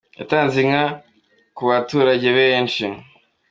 Yatanze inka kuabaturajye benshi.